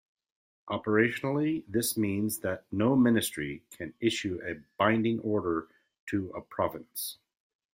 Operationally, this means that no ministry can issue a binding order to a province.